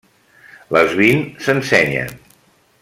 Les vint s'ensenyen.